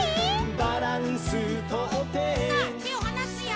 「バランスとって」さあてをはなすよ。